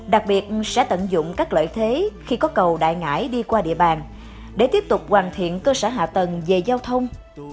đặc biệt sẽ tận dụng các lợi thế khi có cầu đại ngãi đi qua địa bàn để tiếp tục hoàn thiện cơ sở hạ tầng về giao thông